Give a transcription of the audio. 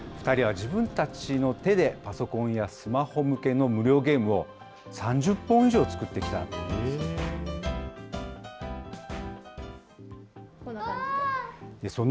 ２人は自分たちの手でパソコンやスマホ向けの無料ゲームを、３０本以上作ってきたんです。